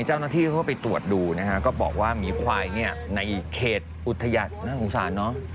เจ้าหน้าที่เขาก็ไปตรวจดูนะฮะก็บอกว่าหมีควายเนี่ยในเขตอุทยานน่าสงสารเนอะ